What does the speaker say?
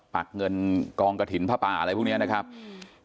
ปักเงินกองกระถิ่นผ้าป่าอะไรพวกเนี้ยนะครับอืม